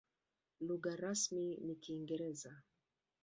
Lugha rasmi ni Kiingereza.